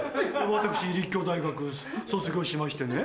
私立教大学卒業しましてね